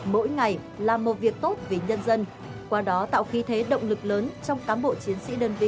mỗi ngày là một việc tốt vì nhân dân qua đó tạo khí thế động lực lớn trong cám bộ chiến sĩ đơn vị